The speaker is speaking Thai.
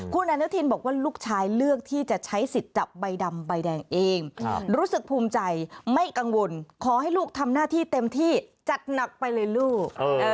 คุณอนุทินบอกว่าลูกชายเลือกที่จะใช้สิทธิ์จับใบดำใบแดงเองรู้สึกภูมิใจไม่กังวลขอให้ลูกทำหน้าที่เต็มที่จัดหนักไปเลยลูก